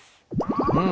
うん！